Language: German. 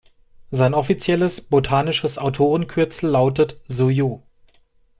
Sein offizielles botanisches Autorenkürzel lautet „Soyaux“.